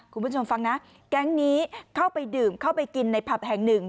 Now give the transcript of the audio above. คุณผู้ชมฟังนะแก๊งนี้เข้าไปดื่มเข้าไปกินในผับแห่งหนึ่ง